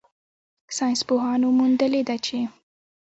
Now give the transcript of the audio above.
ساینسپوهانو موندلې ده چې